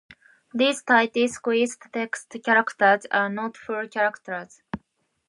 These "tightly squeezed" text characters are not full characters.